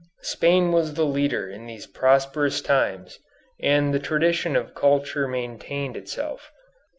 Spain was the leader in these prosperous times, and the tradition of culture maintained itself.